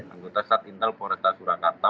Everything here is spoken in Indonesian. anggota satintel polresta surakarta